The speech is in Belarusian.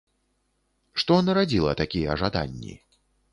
Што нарадзіла такія жаданні?